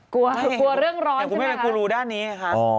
กลัวเรื่องร้อนใช่ไหมคะคุณแม่กลัวรู้ด้านนี้ค่ะอ๋อ